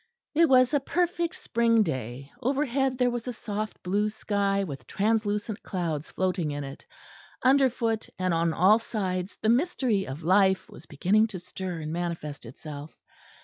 It was a perfect spring day. Overhead there was a soft blue sky with translucent clouds floating in it; underfoot and on all sides the mystery of life was beginning to stir and manifest itself.